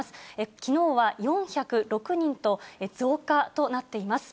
きのうは４０６人と増加となっています。